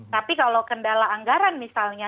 tapi kalau kendala anggaran misalnya